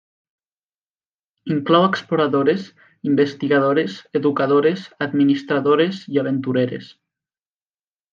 Inclou exploradores, investigadores, educadores, administradores i aventureres.